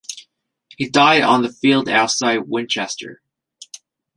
He died on the field outside Winchester.